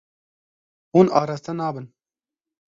Hûn araste nabin.